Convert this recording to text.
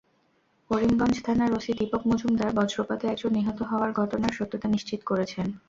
করিমগঞ্জ থানার ওসি দীপক মজুমদার বজ্রপাতে একজন নিহত হওয়ার ঘটনার সত্যতা নিশ্চিত করেছেন।